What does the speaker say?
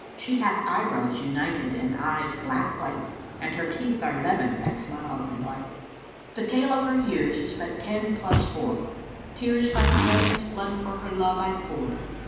She hath eyebrows united and eyes black white And her teeth are leven that smiles in light: The tale of her years is but ten plus four; Tears like Dragon's blood[FN#334] for her love I pour.